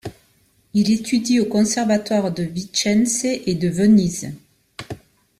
Il étudie aux conservatoires de Vicence et de Venise.